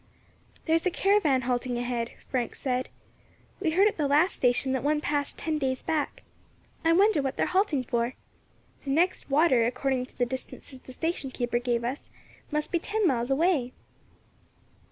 "There is a caravan halting ahead," Frank said. "We heard at the last station that one passed ten days back. I wonder what they are halting for. The next water, according to the distances the station keeper gave us, must be ten miles away."